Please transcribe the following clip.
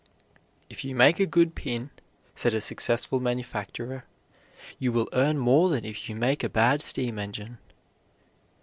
"If you make a good pin," said a successful manufacturer, "you will earn more than if you make a bad steam engine."